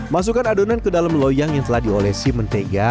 masukkan adonan ke dalam loyang yang telah diolesi mentega